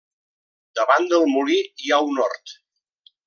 Davant del molí hi ha un hort.